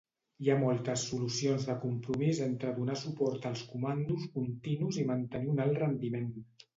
Hi ha moltes solucions de compromís entre donar suport als comandos continus i mantenir un alt rendiment.